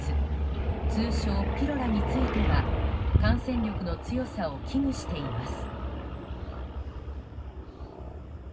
通称ピロラについては感染力の強さを危惧しています。